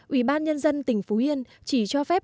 ubnd tỉnh phú yên chỉ cho phép